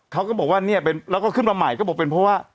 เขาก็บอกว่าเนี่ยแล้วก็ขึ้นมาใหม่ก็บอกเป็นเพราะว่า